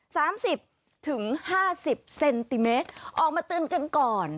สามสิบถึงห้าสิบเซนติเมตรออกมาเตือนกันก่อน